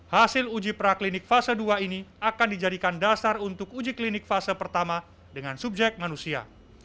hasil uji praklinik fase dua ini akan dijadikan dasar untuk uji klinik fase pertama dengan subjek manusia